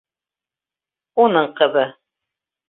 Уның ҡыҙы!